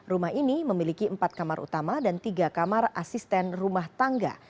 rumah ini memiliki empat kamar utama dan tiga kamar asisten rumah tangga